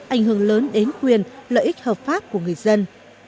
ảnh hưởng lớn đến quyền lợi ích hợp pháp của người dân